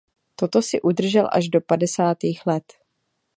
Toto si udržel až do padesátých let.